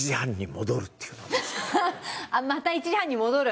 また１時半に戻る？